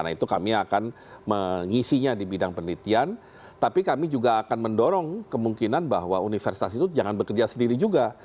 nah itu kami akan mengisinya di bidang penelitian tapi kami juga akan mendorong kemungkinan bahwa universitas itu jangan bekerja sendiri juga